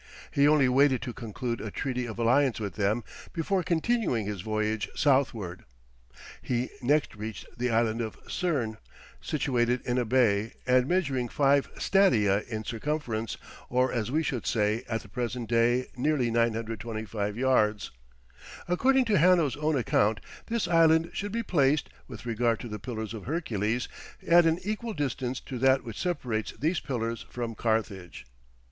He only waited to conclude a treaty of alliance with them, before continuing his voyage southward. He next reached the Island of Cerne, situated in a bay, and measuring five stadia in circumference, or as we should say at the present day, nearly 925 yards. According to Hanno's own account, this island should be placed, with regard to the Pillars of Hercules, at an equal distance to that which separates these Pillars from Carthage.